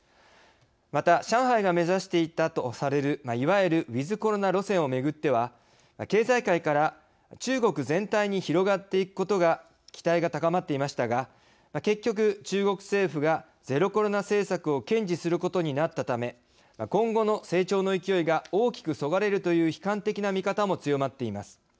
また上海が目指していたとされる、いわゆるｗｉｔｈコロナ路線をめぐっては、経済界から中国全体に広がっていくことが期待が高まっていましたが結局、中国政府がゼロコロナ政策を堅持することになったため今後の成長の勢いが大きくそがれるという悲観的な見方も強まっています。